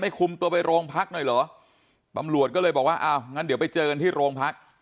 คุมตัวไปโรงพักหน่อยเหรอตำรวจก็เลยบอกว่าอ้าวงั้นเดี๋ยวไปเจอกันที่โรงพัก